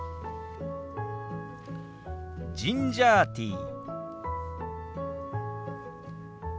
「ジンジャーティー」。